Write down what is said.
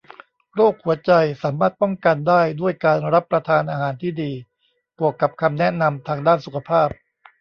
โรคหัวใจสามารถป้องกันได้ด้วยการรับประทานอาหารที่ดีบวกกับคำแนะนำทางด้านสุขภาพ